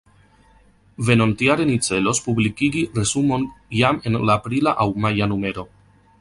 Venontjare ni celos publikigi resumon jam en la aprila aŭ maja numero.